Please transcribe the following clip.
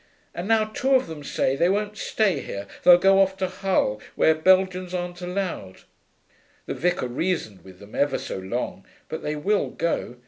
And now two of them say they won't stay here, they'll go off to Hull, where Belgians aren't allowed. The vicar reasoned with them ever so long, but they will go.